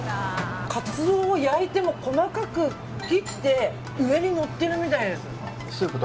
カツオを焼いて細かく切って上に盛っているみたいです。